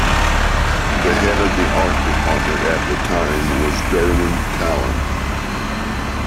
The head of the art department at the time was Durwin Talon.